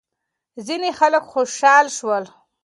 ځینې خلک خوشحال شول.